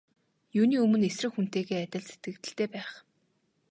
Юуны өмнө эсрэг хүнтэйгээ адил сэтгэгдэлтэй байх.